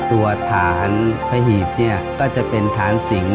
ตัวฐานพระหีบเนี่ยก็จะเป็นฐานสิง